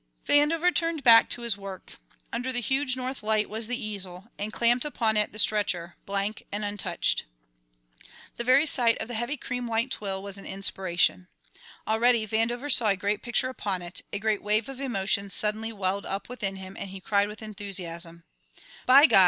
Vandover turned back to his work. Under the huge north light was the easel, and clamped upon it the stretcher, blank, and untouched. The very sight of the heavy cream white twill was an inspiration. Already Vandover saw a great picture upon it; a great wave of emotion suddenly welled up within him and he cried with enthusiasm: "By God!